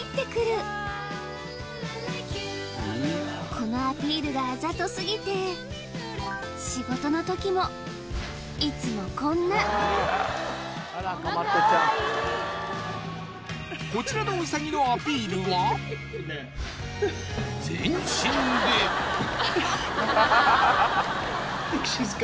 このアピールがあざとすぎて仕事の時もいつもこんなあっカワイイこちらのウサギのアピールはハハハハハハ